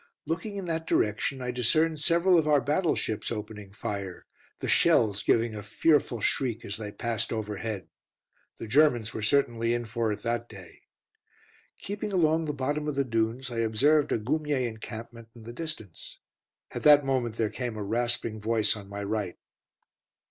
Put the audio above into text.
Looking in that direction, I discerned several of our battleships opening fire, the shells giving a fearful shriek as they passed overhead. The Germans were certainly in for it that day. Keeping along the bottom of the dunes, I observed a Goumier encampment in the distance. At that moment there came a rasping voice on my right.